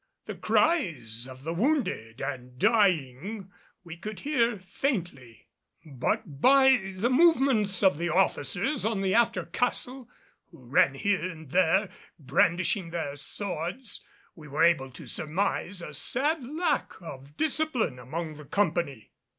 The cries of the wounded and dying we could hear faintly, but by the movements of the officers on the after castle, who ran here and there brandishing their swords, we were able to surmise a sad lack of discipline among the company.